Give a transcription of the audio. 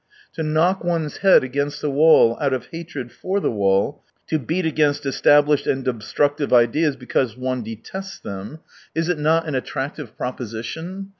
To knock one's head against the wall out of hatred for the wall : to beat against established and obstructive ideas, because one detests them : is it not K 14s an attractive proposition